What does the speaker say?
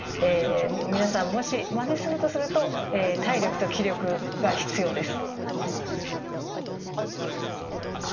皆さんもしまねするとすると体力と気力が必要です。